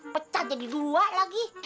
pecah jadi dua lagi